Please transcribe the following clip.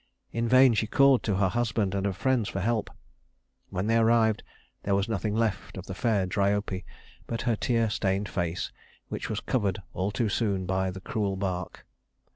In vain she called to her husband and her friends for help. When they arrived, there was nothing left of the fair Dryope but her tear stained face, which was covered all too soon by the cruel bark.